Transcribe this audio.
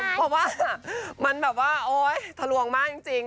เพราะว่ามันแบบว่าโอ๊ยทะลวงมากจริง